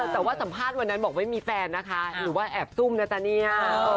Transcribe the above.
แต่ว่าสัมภาษณ์วันนั้นบอกไม่มีแฟนนะคะหรือว่าแอบซุ่มนะจ๊ะเนี่ย